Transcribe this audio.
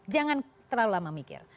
jangan terlalu lama mikir